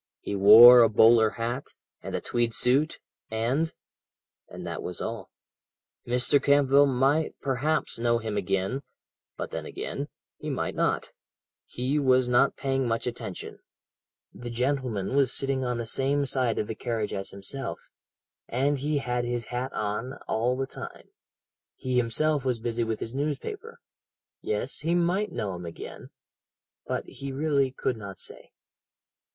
He wore a bowler hat, and a tweed suit and and that was all Mr. Campbell might perhaps know him again, but then again, he might not he was not paying much attention the gentleman was sitting on the same side of the carriage as himself and he had his hat on all the time. He himself was busy with his newspaper yes he might know him again but he really could not say.